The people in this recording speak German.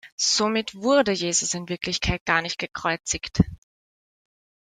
Somit wurde Jesus in Wirklichkeit gar nicht gekreuzigt.